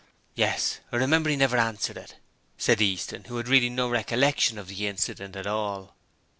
'Yes, I remember 'e never answered it,' said Easton, who had really no recollection of the incident at all.